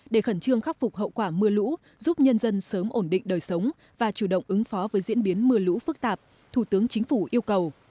để khẩn trương khắc phục hậu quả mưa lũ giúp nhân dân sớm ổn định đời sống và chủ động ứng phó với diễn biến mưa lũ phức tạp thủ tướng chính phủ yêu cầu